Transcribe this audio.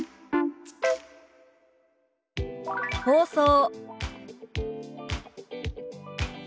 「放送」。